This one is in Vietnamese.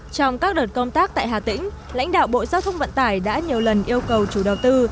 trong các đợt công tác tại hà tĩnh lãnh đạo bộ giao thông vận tải đã nhiều lần yêu cầu chủ đầu tư